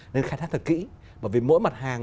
nên khai thác thật kỹ bởi vì mỗi mặt hàng